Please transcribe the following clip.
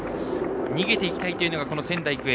逃げていきたいというのが仙台育英。